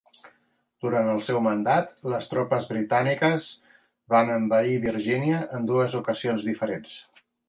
Durant el seu mandat, les tropes britàniques van envair Virgínia en dues ocasions diferents.